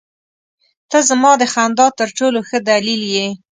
• ته زما د خندا تر ټولو ښه دلیل یې.